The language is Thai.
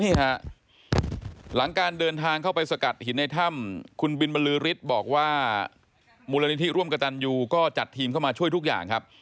หลังการเดินทางเข้าไปสกัดหินในถ้ำคุณบินบรรลือฤทธิ์บอกว่ามูลนิธิร่วมกับตันยูก็จัดทีมเข้ามาช่วยทุกอย่างครับ